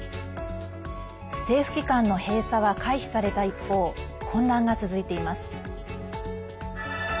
政府機関の閉鎖は回避された一方混乱が続いています。